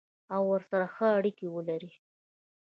او ورسره ښه اړیکه ولري.